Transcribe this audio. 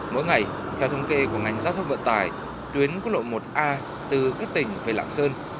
mỗi ngày theo thống kê của ngành giao thông vận tải tuyến quốc lộ một a từ các tỉnh về lạng sơn